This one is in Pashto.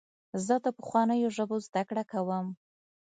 زه د پخوانیو ژبو زدهکړه کوم.